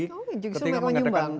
oh juga semua yang menyumbang